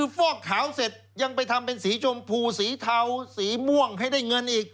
ฟอกขาวเสร็จยังไปทำเป็นสีชมพูสีเทาสีม่วงให้ได้เงินอีก